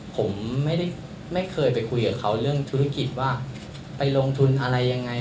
ผมไม่เคยไปคุยกับเขาเรื่องธุรกิจว่าไปลงทุนอะไรยังไง